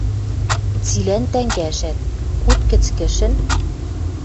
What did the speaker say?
Цилӓн тӓнгӓшӓт. Куд кӹцкӹшӹн